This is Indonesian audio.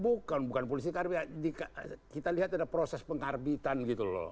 bukan bukan polisi karena kita lihat ada proses pengarbitan gitu loh